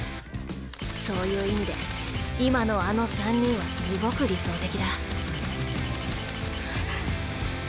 そういう意味で今のあの３人はすごく理想的だ。